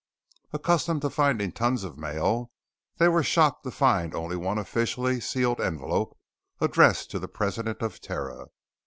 Accustomed to finding tons of mail, they were shocked to find only one officially sealed envelope addressed to the President of Terra.